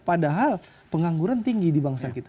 padahal pengangguran tinggi di bangsa kita